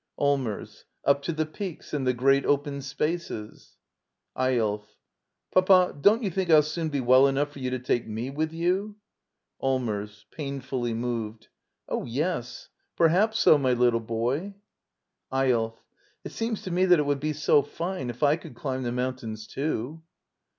Allmers. — up to the peaks and the great open spaces. Eyolf. Papa, don't you think I'll soon be well enough for you to take me with you? Allmers. [Painfully moved.] Oh, yes; per haps so, my little boy. Eyolf. It seems to me that it would be so fine if I could climb the mountains, too.